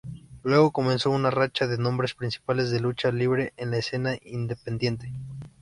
Luego comenzó una racha de nombres principales de lucha libre en la escena independiente.